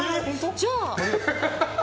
じゃあ。